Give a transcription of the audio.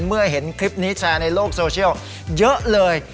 เมื่อเห็นคลิปนี้แชร์ในโลกโซเชียลเยอะเลย